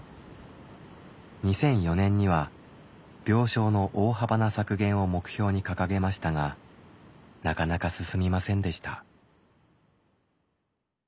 ２００４年には病床の大幅な削減を目標に掲げましたがなかなか進みませんでした。